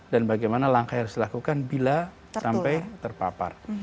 dan bagaimana langkah yang harus dilakukan bila sampai terpapar